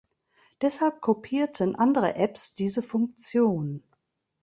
Deshalb kopierten andere Apps diese Funktion.